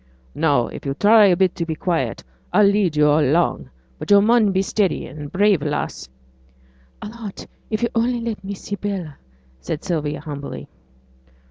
'Now, if you'll try a bit to be quiet, a'll lead yo' along; but yo' mun be a steady and brave lass.' 'I'll be aught if yo' only let me see Bella,' said Sylvia, humbly.